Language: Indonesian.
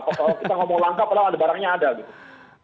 kalau kita ngomong langka padahal ada barangnya ada gitu